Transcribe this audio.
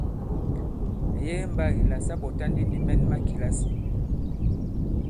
Mɛ̀ yege mbagì la sa ɓɔ̀ta ndi nì mɛn ma kìlasì.